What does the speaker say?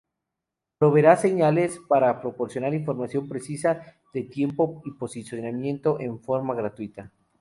Proveerá señales para proporcionar información precisa de tiempo y posicionamiento en forma gratuita.